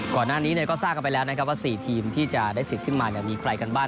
ก่อนหน้านี้ก็ทราบกันไปแล้วนะครับว่า๔ทีมที่จะได้สิทธิ์ขึ้นมามีใครกันบ้าง